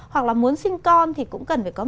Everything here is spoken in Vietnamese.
hoặc là muốn sinh con thì cũng cần phải có